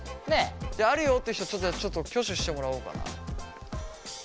あるよって人ちょっと挙手してもらおうかな。